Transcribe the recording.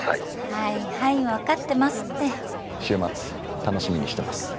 はいはい分かってますって週末楽しみにしてます